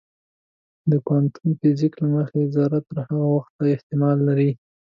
د کوانتم فزیک له مخې ذره تر هغه وخته احتمال لري.